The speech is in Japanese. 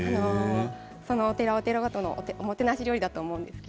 そのお寺お寺ごとのおもてなし料理だと思います。